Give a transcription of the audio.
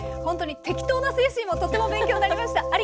ほんとに適当な精神もとっても勉強になりました。